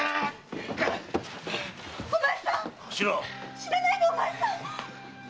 死なないでお前さん！